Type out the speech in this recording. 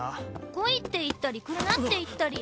来いって言ったり来るなって言ったり。